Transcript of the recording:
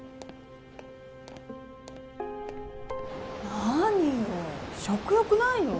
何よ食欲ないの？